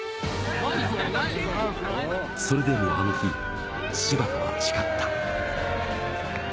それでもあの日、柴田は誓った。